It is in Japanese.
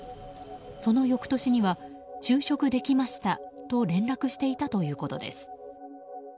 その翌年には、就職できましたと連絡していたということです。